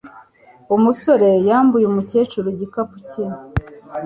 Umusore yambuye umukecuru igikapu cye.